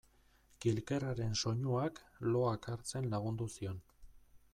Kilkerraren soinuak loak hartzen lagundu zion.